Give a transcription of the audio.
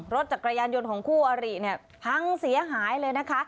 รถจักรยานยนต์ของคู่อริเนี่ยพังเสียหายเลยนะคะ